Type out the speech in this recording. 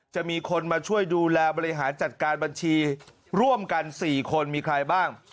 จะมีคนมาช่วยดูแลบริหารจัดการบัญชีร่วมกัน๔คนมีใครบ้าง